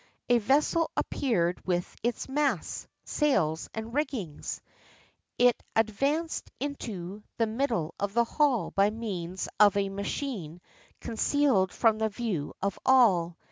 A vessel appeared with its masts, sails, and rigging; it advanced into the middle of the hall, by means of a machine concealed from the view of all.